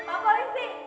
pak pak polisi